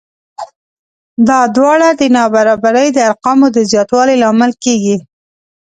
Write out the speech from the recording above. دا دواړه د نابرابرۍ د ارقامو د زیاتوالي لامل کېږي